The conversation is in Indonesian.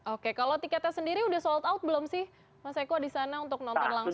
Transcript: oke kalau tiketnya sendiri sudah sold out belum sih mas eko di sana untuk nonton langsung